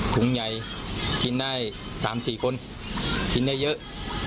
ถุงใหญ่กินได้๓๔คนกินได้เยอะ